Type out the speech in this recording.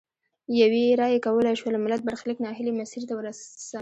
یوې رایې کولای شول ملت برخلیک نا هیلي مسیر ته ورسم کړي.